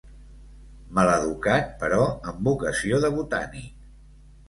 Maleducat però amb vocació de botànic.